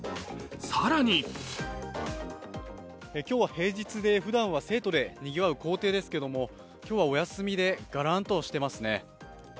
更に今日は平日でふだんは生徒でにぎわう校庭ですけども今日はお休みでガランとしてますね。